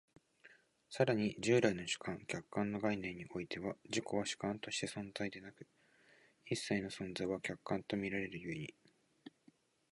更に従来の主観・客観の概念においては、自己は主観として存在でなく、一切の存在は客観と見られる故に、